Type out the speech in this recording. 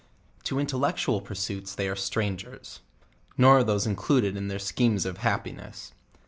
To intellectual pleasures they are strangers; nor are[those included in their scheme of happiness.